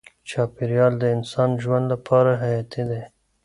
چاپیریال د انسان ژوند لپاره حیاتي دی.